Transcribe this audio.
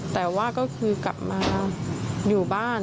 แต่ว่าก็คือกลับมาอยู่บ้าน